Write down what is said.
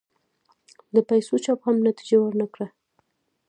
د پیسو چاپ هم نتیجه ور نه کړه.